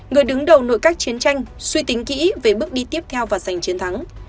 người đứng đầu nội các chiến tranh suy tính kỹ về bước đi tiếp theo và giành chiến thắng